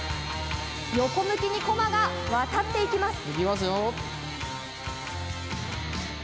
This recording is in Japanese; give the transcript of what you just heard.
横向きにこまが渡っていきます。